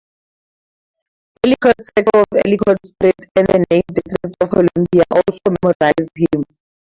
Ellicott Circle and Ellicott Street in the District of Columbia also memorialize him.